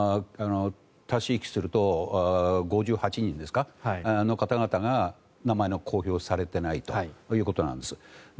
足し引きすると５８人の方々が名前の公表をされていないということなんです。